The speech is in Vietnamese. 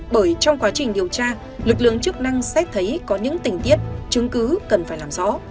bởi trong quá trình điều tra lực lượng chức năng xét thấy có những tình tiết chứng cứ cần phải làm rõ